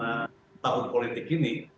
dalam suasana tahun politik ini